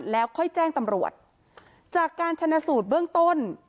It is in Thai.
แล้วค่อยแจ้งตำรวจจากการชนะสูตรเบื้องต้น